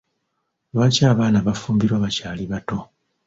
Lwaki abaana bafumbirwa bakyali bato.